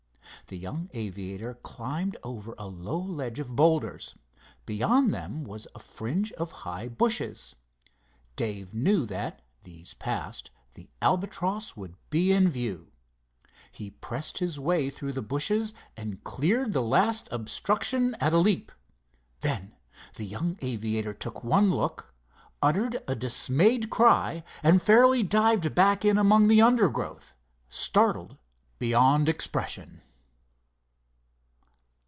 The young aviator climbed over a low ledge of boulders. Beyond them was a fringe of high bushes. Dave knew that, these passed, the Albatross would be in view. He pressed his way through the bushes and cleared the last obstruction at a leap. Then the young aviator took one look, uttered a dismayed cry, and fairly dived back in among the undergrowth, startled beyond expression.